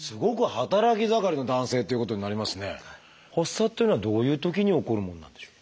発作っていうのはどういうときに起こるものなんでしょう？